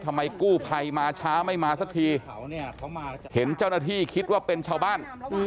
ทำไมกู้ภัยมาช้าไม่มาสักทีเห็นเจ้าหน้าที่คิดว่าเป็นชาวบ้าน